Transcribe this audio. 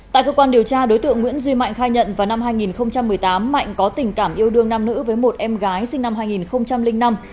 tại cơ quan điều tra đối tượng nguyễn duy mạnh khai nhận vào năm hai nghìn một mươi tám mạnh có tình cảm yêu đương nam nữ với một em gái sinh năm hai nghìn năm